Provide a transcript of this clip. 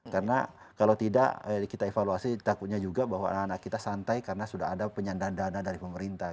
karena kalau tidak kita evaluasi takutnya juga bahwa anak anak kita santai karena sudah ada penyandang dana dari pemerintah